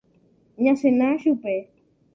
Ñasẽna chupe.